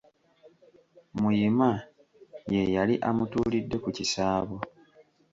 Muyima yeeyali amutuulidde ku kisaabo.